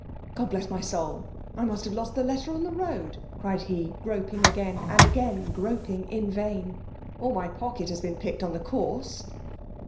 ^'^ God bless my soul !— I must hare lost the litter on the road," cried he, groping again, and again groping in vain ;•* or my pocket hais been picked on the Course."